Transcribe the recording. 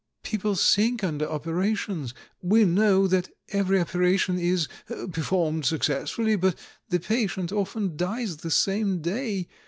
People sink under operations; we know that every operation is 'performed successfully,' but the patient often dies the same day.